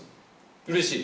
うれしい？